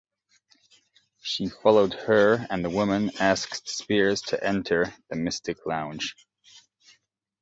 She followed her and the woman asked Spears to enter the "Mystic Lounge".